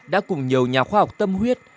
đã cùng nhiều nhà khoa học tâm huyết